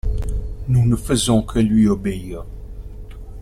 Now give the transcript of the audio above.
Nous ne faisons que lui obéir.